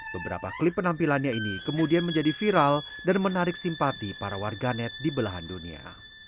beberapa klip penampilannya ini kemudian menjadi viral dan menarik simpati para warganet di belahan dunia